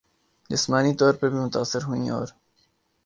جسمانی طور پر بھی متاثر ہوئیں اور